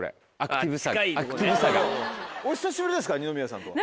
お久しぶりですか二宮さんとは。